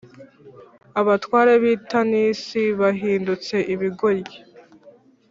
Abatware b’i Tanisi bahindutse ibigoryi,